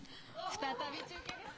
再び中継です。